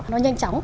nó nhanh chóng